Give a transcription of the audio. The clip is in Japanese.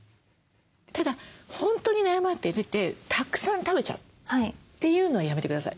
ただ本当に悩まれててたくさん食べちゃうというのはやめて下さい。